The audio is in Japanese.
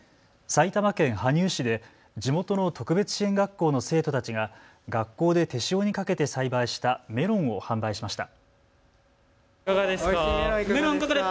埼玉県羽生市で地元の特別支援学校の生徒たちが学校で手塩にかけて栽培したメロンを販売しました。